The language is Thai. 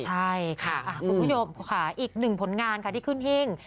ใช่ค่ะคุณผู้ชมค่ะอีกหนึ่งผลงานค่ะที่ขึ้นหิ้ง